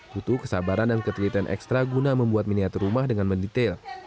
butuh kesabaran dan ketelitian ekstra guna membuat miniatur rumah dengan mendetail